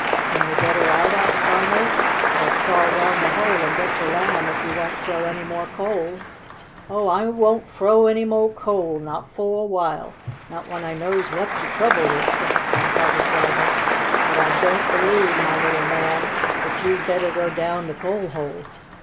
"Can we get her out?" asked Arnold. "I'll crawl down the hole and get the Lamb if you won't throw any more coal." "Oh, I won't frow any mo' coal not fo' a while not when I knows whut de trouble is," said the kind hearted driver. "But I doan believe, mah li'l man, dat you'd better go down de coal hole."